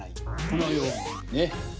このようにね。